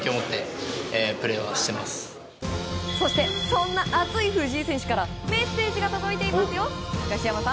そんな熱い藤井選手からメッセージが届いていますよ